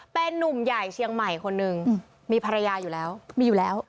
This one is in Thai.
เป็นนุ่มใหญ่เชียงใหม่คนหนึ่งมีภรรยาอยู่แล้วมีอยู่แล้ว